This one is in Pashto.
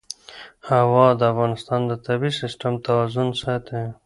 هوا د افغانستان د طبعي سیسټم توازن ساتي.